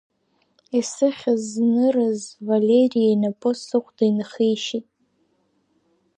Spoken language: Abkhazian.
Исыхьыз знырыз Валери инапы сыхәда инхишьит…